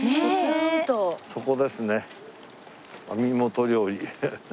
そこですね「網元料理」。